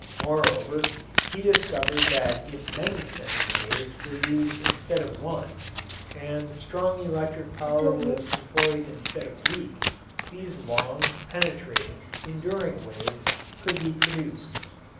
Moreover, he discovered that if many sending wires were used instead of one, and strong electric power was employed instead of weak, these long, penetrating, enduring waves could be produced.